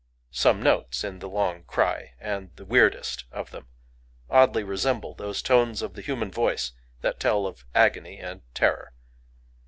Some notes in the long cry,—and the weirdest of them,—oddly resemble those tones of the human voice that tell of agony and terror.